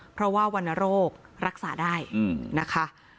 เพราะว่าวรรณโรครักษาได้นะคะ